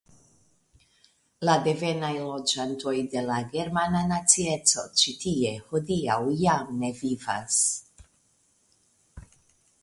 La devenaj loĝantoj de la germana nacieco ĉi tie hodiaŭ jam ne vivas.